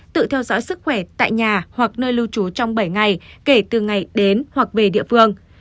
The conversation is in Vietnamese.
tự theo dõi sức khỏe tại nhà hoặc nơi lưu trú trong bảy ngày kể từ ngày đến hoặc về địa phương